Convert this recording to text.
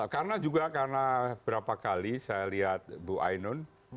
karena juga karena berapa kali saya lihat ibu ainu